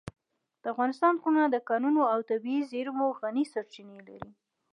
د افغانستان غرونه د کانونو او طبیعي زېرمو غني سرچینې لري.